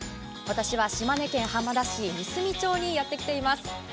私は島根県浜田市三隅町にやって来ています。